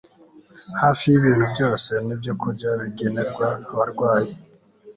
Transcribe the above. hafi yibintu byose nibyokurya bigenerwa abarwayi